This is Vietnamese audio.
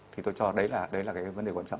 thì tôi cho đấy là vấn đề quan trọng